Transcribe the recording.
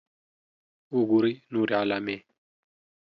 .وګورئ نورې علامې